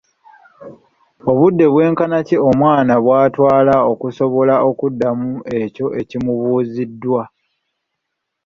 Obudde bwenkana ki omwana bw’atwala okusobola okuddamu ekyo ekimubuuzidwa?